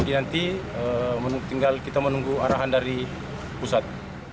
nanti tinggal kita menunggu arahan dari pusat